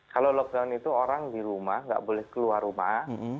kalau lockdown itu orang di rumah nggak boleh keluar rumah